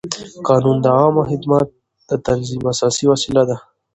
قانون د عامه خدمت د تنظیم اساسي وسیله ده.